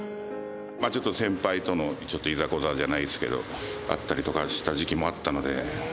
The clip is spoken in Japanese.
ちょっと先輩とのちょっといざこざじゃないですけど、あったりとかした時期もあったので。